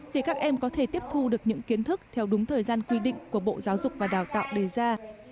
để các em có thể tiếp thu được những kiến thức theo đúng thời gian quy định của bộ giáo dục và đào tạo đề ra